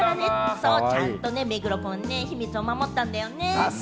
ちゃんと目黒くん、秘密を守ったんだよね。